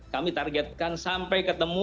kami targetkan sampai ketemu